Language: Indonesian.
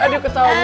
aduh ketawa dulu